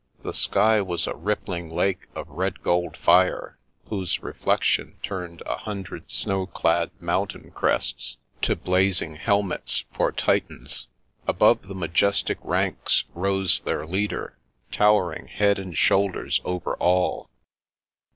The sky was a rippling lake of red gold fire, whose reflection turned a hundred snow clad mountain crests to blazing helmets for Titans. Above the majestic ranks rose their leader, towering head and shoulders over all.